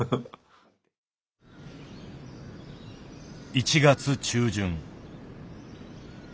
１月中旬。